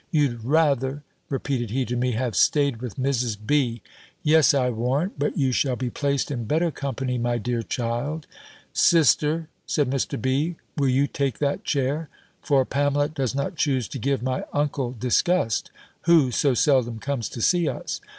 You'd rather," repeated he to me, "have staid with Mrs. B.! Yes, I warrant But you shall be placed in better company, my dear child." "Sister," said Mr. B., "will you take that chair; for Pamela does not choose to give my uncle disgust, who so seldom comes to see us."